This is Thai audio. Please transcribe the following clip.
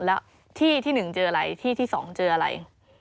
แล้วที่ที่หนึ่งเจออะไรที่ที่สองเจออะไร